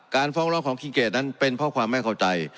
ฟ้องร้องของคิงเกดนั้นเป็นเพราะความไม่เข้าใจ